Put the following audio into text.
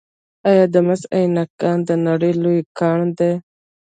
آیا د مس عینک کان د نړۍ لوی کان دی؟